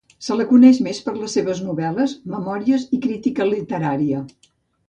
Se la coneix més per les seves novel·les, memòries i crítica literària.